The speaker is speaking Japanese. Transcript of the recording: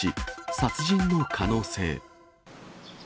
殺人の可能性。